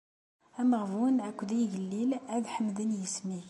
Ameɣbun akked yigellil ad ḥemden isem-ik.